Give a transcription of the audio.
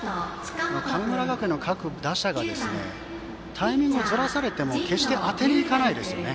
神村学園の各打者がタイミングをずらされても決して当てにいきませんね。